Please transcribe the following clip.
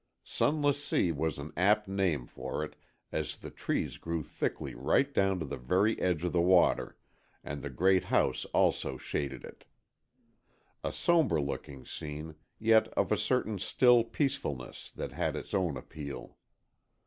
Sunless Sea was an apt name for it, as the trees grew thickly right down to the very edge of the water, and the great house also shaded it. A sombre looking scene, yet of a certain still peacefulness that had its own appeal.